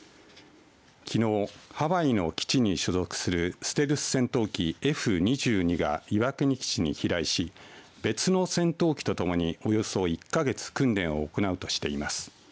きのうハワイの基地に所属するステルス戦闘機Ｆ２２が岩国基地に飛来し別の戦闘機とともにおよそ１か月訓練を行うとしています。